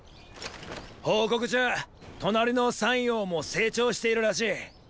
報告じゃー隣の“山陽”も成長しているらしい。